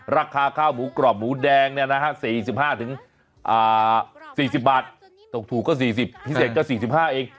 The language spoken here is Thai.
ราคาข้าวหมูกรอบหมูแดง๔๕๔๐บาทตกถูกก็๔๐พิเศษก็๔๕เอง